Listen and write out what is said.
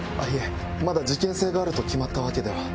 まだ事件性があると決まったわけでは。